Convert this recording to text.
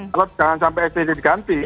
kalau jangan sampai stj diganti